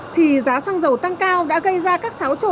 thì giá xăng dầu tăng cao đã gây ra các sáo chế